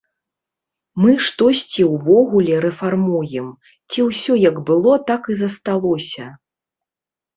Мы штосьці ўвогуле рэфармуем, ці ўсё як было так і засталося?